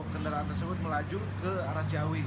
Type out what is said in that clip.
kendaraan tersebut melaju ke arah ciawi